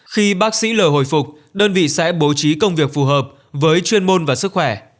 khi bác sĩ lờ hồi phục đơn vị sẽ bố trí công việc phù hợp với chuyên môn và sức khỏe